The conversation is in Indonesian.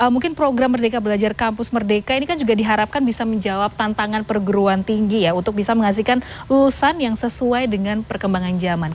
mungkin program merdeka belajar kampus merdeka ini kan juga diharapkan bisa menjawab tantangan perguruan tinggi ya untuk bisa menghasilkan lulusan yang sesuai dengan perkembangan zaman